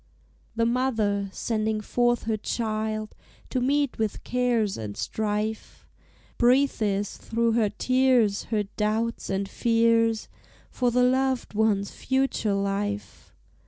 The mother, sending forth her child To meet with cares and strife, Breathes through her tears her doubts and fears For the loved one's future life.